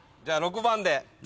じゃあ６番で。